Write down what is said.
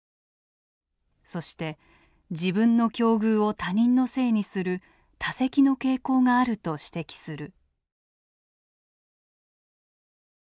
そして自分の境遇を他人のせいにする他責の傾向があると指摘する。